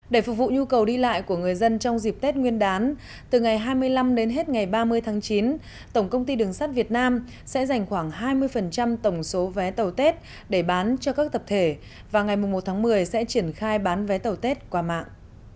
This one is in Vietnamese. để phục vụ nhu cầu đi lại của người dân trong dịp tết nguyên đán từ ngày hai mươi năm đến hết ngày ba mươi tháng chín tổng công ty đường sắt việt nam sẽ dành khoảng hai mươi tổng số vé tàu tết để bán cho các tập thể và ngày một tháng một mươi sẽ triển khai bán vé tàu tết qua mạng